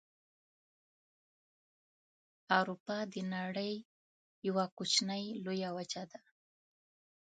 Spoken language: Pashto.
اروپا د نړۍ یوه کوچنۍ لویه وچه ده.